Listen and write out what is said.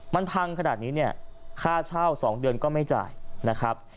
มันพังขนาดนี้เนี่ยค่าเช่า๒เดือนก็ไม่จ่ายนะครับ